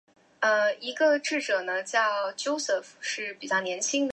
滚出粒粒稻谷